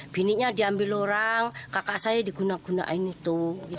biniknya diambil orang kakak saya diguna gunain itu